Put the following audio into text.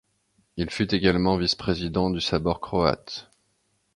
Il fut également vice-président du Sabor croate.